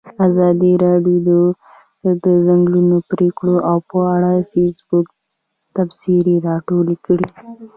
ازادي راډیو د د ځنګلونو پرېکول په اړه د فیسبوک تبصرې راټولې کړي.